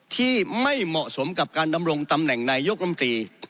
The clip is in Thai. ที่ไม่เหมาะสมกับการดำรงตำแหน่งนายกรรมตรี